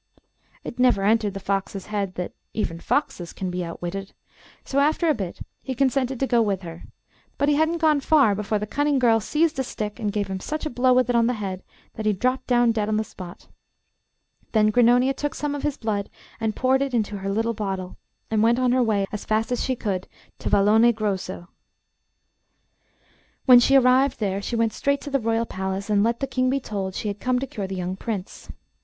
It never entered the fox's head that even foxes can be outwitted, so after a bit he consented to go with her; but he hadn't gone far before the cunning girl seized a stick, and gave him such a blow with it on the head, that he dropped down dead on the spot. Then Grannonia took some of his blood and poured it into her little bottle; and went on her way as fast as she could to Vallone Grosso. When she arrived there she went straight to the Royal palace, and let the King be told she had come to cure the young Prince.